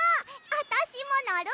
あたしものる！